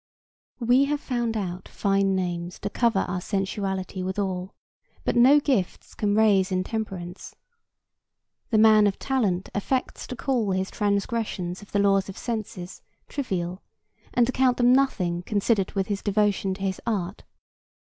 We have found out fine names to cover our sensuality withal, but no gifts can raise intemperance. The man of talent affects to call his transgressions of the laws of the senses trivial and to count them nothing considered with his devotion to his art.